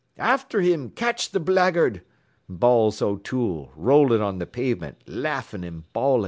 "'After him! Catch th' blackguard!' bawls O'Toole, rolling on th' pavement, laffin' an' bawlin'.